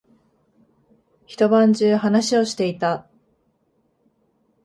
一晩中話をしていた。